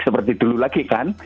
seperti dulu lagi kan